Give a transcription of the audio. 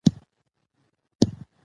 پښتو به په انټرنیټي نړۍ کې وځلیږي.